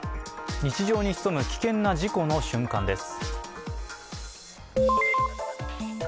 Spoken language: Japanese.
日常に潜む危険な事故の瞬間です。